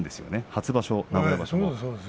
初場所、名古屋場所も。